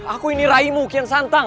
aku ini raimu kian santang